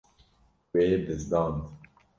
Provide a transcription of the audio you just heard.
Wê bizdand.